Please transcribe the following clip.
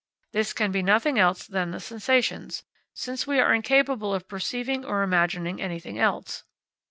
This can be nothing else than the sensations, since we are incapable of perceiving or imagining anything else.